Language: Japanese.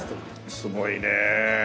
すごいねえ。